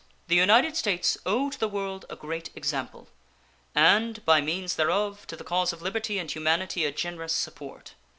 The United States owe to the world a great example, and, by means thereof, to the cause of liberty and humanity a generous support.